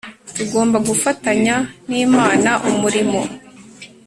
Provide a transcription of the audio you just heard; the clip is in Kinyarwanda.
Tugomba gufatanya nImana umurimo